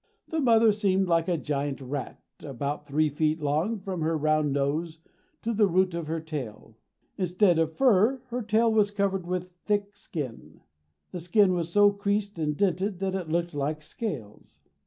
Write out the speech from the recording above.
The mother seemed like a giant rat, about three feet long from her round nose to the root of her tail. Instead of fur her tail was covered with thick skin. This skin was so creased and dented that it looked like scales.